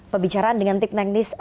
pembicaraan dengan tim teknis